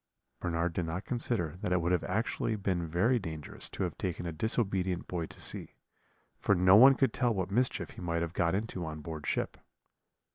"Bernard did not consider that it would actually have been very dangerous to have taken a disobedient boy to sea, for no one could tell what mischief he might have got into on board ship.